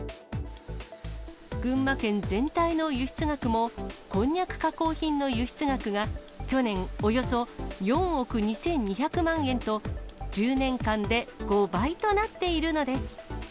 群馬県全体の輸出額も、こんにゃく加工品の輸出額が去年、およそ４億２２００万円と、１０年間で５倍となっているのです。